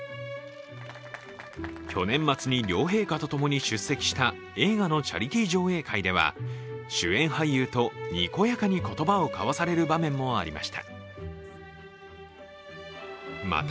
去年末に両陛下とともに出席した映画のチャリティー上映会では、主演俳優とにこやかに言葉を交わされる場面もありました。